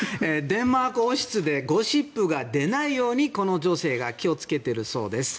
デンマーク王室でゴシップが出ないようにこの女性が気をつけているそうです。